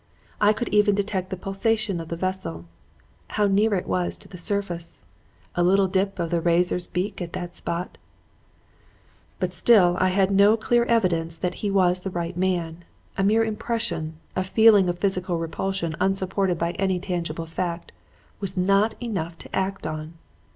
I could even detect the pulsation of the vessel. How near it was to the surface! A little dip of the razor's beak at that spot "But still I had no clear evidence that he was the right man. A mere impression a feeling of physical repulsion unsupported by any tangible fact was not enough to act on.